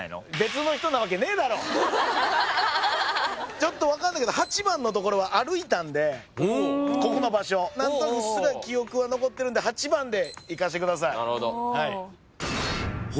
ちょっと分かんないけど８番のところは歩いたんでここの場所何となくうっすら記憶は残ってるんで８番でいかせてください。